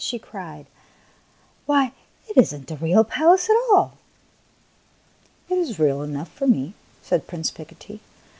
" she cried. " Why, it is n't a real palace at all!" '' It is real enough for me," said Prince Pico tee.